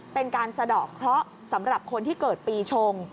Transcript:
เป็นการสะดอกเคราะห์สำหรับคนที่เกิดปีชง